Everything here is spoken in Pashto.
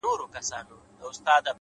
خپل ارزښت په کردار ثابتېږي’